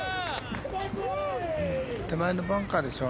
手前のバンカーでしょ。